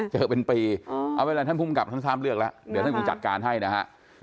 ใช่ไงเอาไว้แล้วท่านผู้กำกับท่านทามเลือกแล้วเดี๋ยวท่านผู้จัดการให้นะฮะ